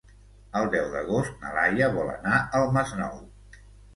El deu d'agost na Laia vol anar al Masnou.